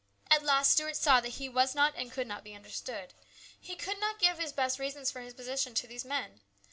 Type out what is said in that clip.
At last Stuart saw that he was not and could not be understood. He could not give his best reasons for his position to these men.